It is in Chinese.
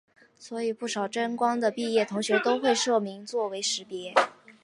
所以不少真光的毕业同学都会社名作为识别。